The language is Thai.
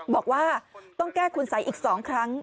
บอกว่าต้องแก้คุณสัยอีก๒ครั้ง